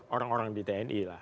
orang orang di tni